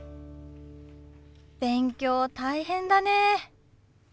勉強大変だね。